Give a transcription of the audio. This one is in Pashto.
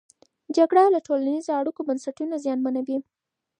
جګړه د ټولنیزو اړیکو بنسټونه زیانمنوي.